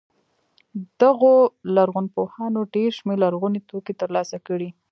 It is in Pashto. دغو لرغونپوهانو ډېر شمېر لرغوني توکي تر لاسه کړي.